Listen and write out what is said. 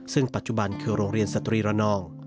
ซึ่งปัจจุบันคือโรงเรียนสตรีระนอง